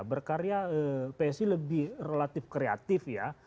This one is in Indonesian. berkarya psi lebih relatif kreatif ya